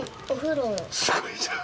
すごいじゃん！